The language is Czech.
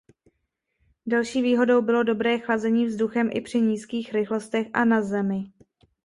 Další výhodou bylo dobré chlazení vzduchem i při nízkých rychlostech a na zemi.